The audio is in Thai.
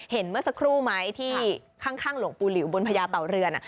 เมื่อสักครู่ไหมที่ข้างหลวงปู่หลิวบนพญาเต่าเรือน